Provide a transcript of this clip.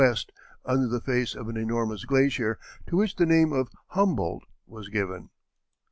under the face of an enormous glacier, to which the name of Humboldt was given.